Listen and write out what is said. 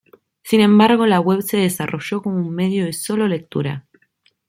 Sin embargo la web se desarrolló como un medio de solo lectura.